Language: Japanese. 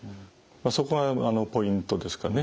そこがポイントですかね。